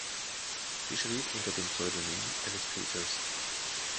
Sie schrieb unter dem Pseudonym Ellis Peters.